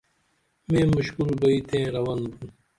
مے مُشکل بئی تئیں رون بُن